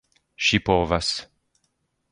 scipovas